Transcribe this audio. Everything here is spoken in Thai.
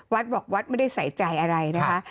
วัดบอกวัดไม่ได้ใส่ใจอะไรนะคะ